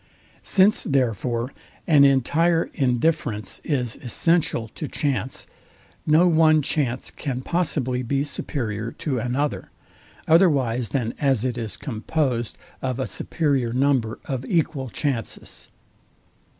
Since therefore an entire indifference is essential to chance, no one chance can possibly be superior to another, otherwise than as it is composed of a superior number of equal chances.